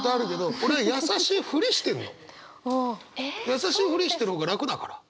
優しいふりしてる方が楽だから。